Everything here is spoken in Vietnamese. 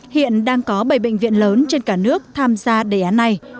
hiện đang có bảy bệnh viện lớn trên cả nước tham gia đề án này